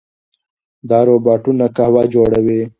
دا روباټونه قهوه جوړوي.